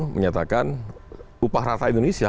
menyatakan upah rata indonesia